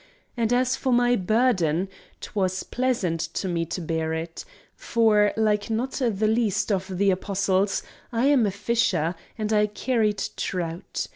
And as for my "burden" 'twas pleasant to me to bear it; for, like not the least of the Apostles, I am a fisher, and I carried trout.